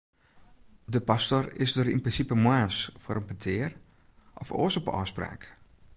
De pastor is der yn prinsipe moarns foar in petear, of oars op ôfspraak.